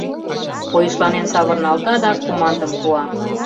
Койышланен савырналта да командым пуа.